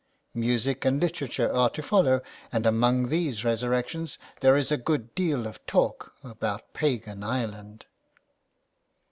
Music and literature are to follow, and among these resurrections there is a good deal of talk about pagan Ireland."